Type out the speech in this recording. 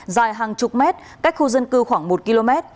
dài hàng chục mét cách khu dân cư khoảng một km